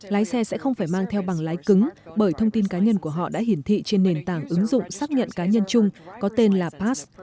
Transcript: lái xe sẽ không phải mang theo bằng lái cứng bởi thông tin cá nhân của họ đã hiển thị trên nền tảng ứng dụng xác nhận cá nhân chung có tên là pass